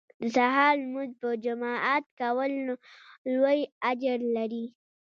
د سهار لمونځ په جماعت کول لوی اجر لري